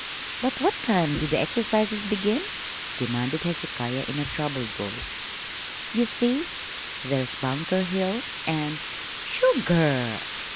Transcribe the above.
"But what time do the exercises begin?" demanded Hezekiah in a troubled voice. "Ye see, there's Bunker Hill an' sugar!